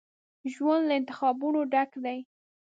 ژوند له انتخابونو ډک دی.